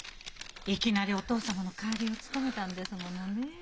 いきなりお父様の代わりを務めたんですものねえ。